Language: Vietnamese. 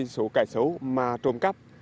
số cải xấu mà trộm cắp